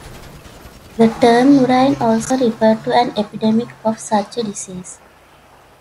The term murrain also referred to an epidemic of such a disease.